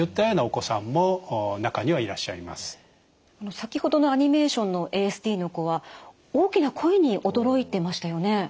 先程のアニメーションのＡＳＤの子は大きな声に驚いてましたよね？